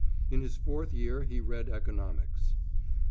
In his fourth year he read Economics.